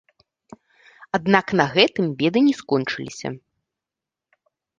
Аднак на гэтым беды не скончыліся.